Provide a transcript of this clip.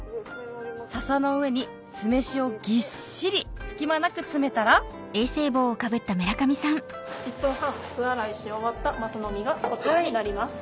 ササの上に酢飯をぎっしり隙間なく詰めたら１分半酢洗いし終わったますの身がこちらになります。